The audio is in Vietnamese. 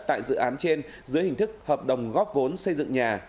tại dự án trên dưới hình thức hợp đồng góp vốn xây dựng nhà